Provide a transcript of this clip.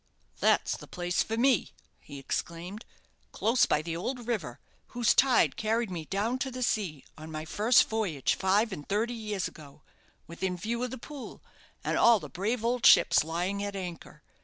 "That's the place for me!" he exclaimed; "close by the old river, whose tide carried me down to the sea on my first voyage five and thirty years ago within view of the Pool, and all the brave old ships lying at anchor.